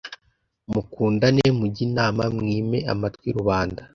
mukundane mujye inama mwime amatwi rubanda